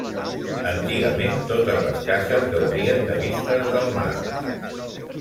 Antigament totes les cases gaudien de vistes del mar.